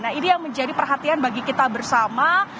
nah ini yang menjadi perhatian bagi kita bersama